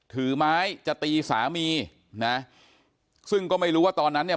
ถือไม้จะตีสามีนะซึ่งก็ไม่รู้ว่าตอนนั้นเนี่ย